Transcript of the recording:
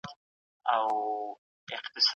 هر هغه څه خوندور وي چي د مینې په ګټه وي.